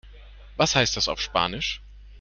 Was heißt das auf Spanisch?